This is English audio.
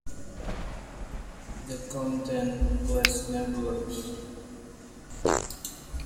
The content was nebulous.